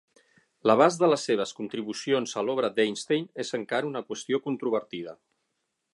L'abast de les seves contribucions a l'obra d'Einstein és encara una qüestió controvertida.